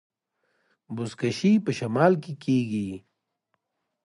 بزکشي په شمال کې کیږي